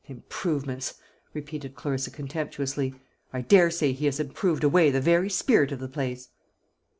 Improvements!" repeated Clarissa contemptuously; "I daresay he has improved away the very spirit of the place."